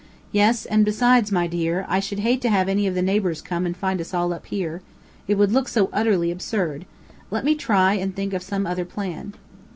"Yes, and besides, my dear, I should hate to have any of the neighbors come and find us all up here. It would look so utterly absurd. Let me try and think of some other plan."